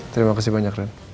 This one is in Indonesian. terima kasih banyak ren